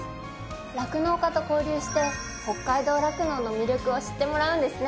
酪農家と交流して北海道酪農の魅力を知ってもらうんですね。